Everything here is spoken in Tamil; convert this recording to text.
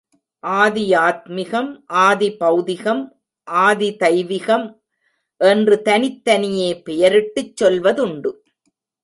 ஆதியாத்மிகம், ஆதிபெளதிகம், ஆதிதைவிகம் என்று தனித்தனியே பெயரிட்டுச் சொல்வதுண்டு.